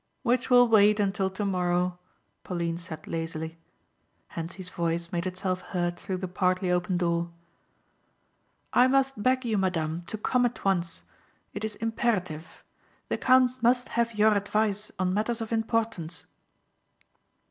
"Which will wait until tomorrow," Pauline said lazily. Hentzi's voice made itself heard through the partly opened door. "I must beg you madame, to come at once. It is imperative. The count must have your advice on matters of importance."